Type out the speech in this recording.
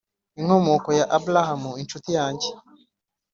inkomoko ya Abrahamu, incuti yanjye,